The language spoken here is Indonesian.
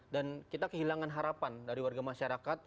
dan kita kehilangan harapan dari warga masyarakat